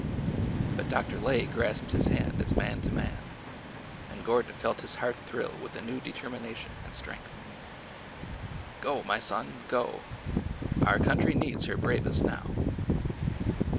But Dr. Lay grasped his hand as man to man, and Gor don felt his heart thrill with a new determination and strength. Go, my son, go ! Our country needs her bravest now